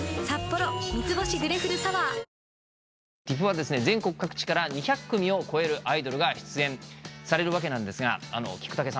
ＴＩＦは全国各地から２００組を超えるアイドルが出演されるわけなんですが菊竹さん。